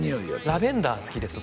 ラベンダー好きです